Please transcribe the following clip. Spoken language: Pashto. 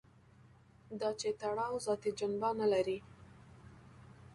دا چې تړاو ذاتي جنبه نه لري.